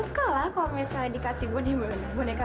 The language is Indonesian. tolong beli dibungkus ini ya